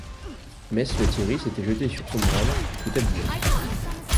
Mess Lethierry s’était jeté sur son branle, tout habillé.